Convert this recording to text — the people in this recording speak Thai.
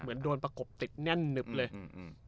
เหมือนโดนประกบติดแน่นหนึบเลยอืม